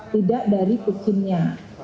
tidak dari kekinnya